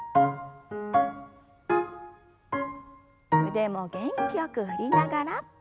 腕も元気よく振りながら。